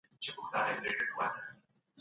په ټولنیزو رسنیو کې د وزن کمولو انځورونه خپرېږي.